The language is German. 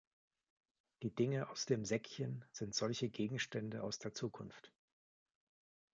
Die Dinge aus dem Säckchen sind solche Gegenstände aus der Zukunft.